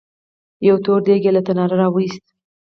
يو تور دېګ يې له تناره راوېست.